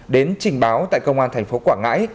đến trình báo tại công an thành phố quảng ngãi